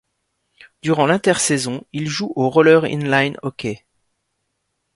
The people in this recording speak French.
Durant l'intersaison, il joue au Roller in line hockey.